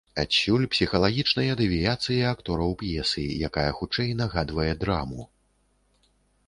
Адсюль псіхалагічныя дэвіяцыі актораў п'есы, якая хутчэй нагадвае драму.